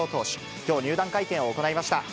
きょう、入団会見を行いました。